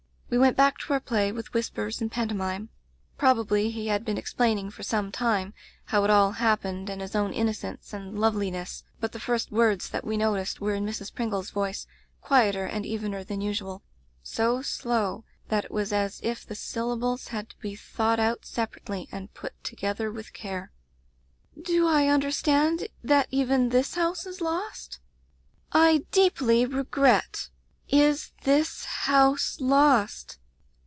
We went back to our play, with whispers and pantomime. Probably he had been explaining for some time how it all happened, and his own innocence and love liness, but the first words that we noticed were in Mrs. Pringle's voice, quieter and evener than usual; so slow that it was as if Digitized by LjOOQ IC Interventions the syllables had to be thought out sepa rately and put together with care: "*Do I understand that even this house is lost?' "'I deeply regret ' "*Is this house lost?'